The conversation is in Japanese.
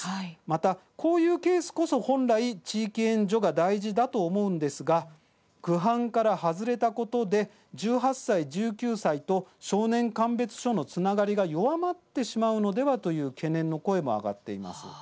また、こういうケースこそ本来地域援助が大事だと思うんですがぐ犯から外れたことで１８歳、１９歳と少年鑑別所のつながりが弱まってしまうのではという懸念の声も上がっています。